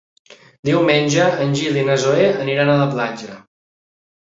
Diumenge en Gil i na Zoè aniran a la platja.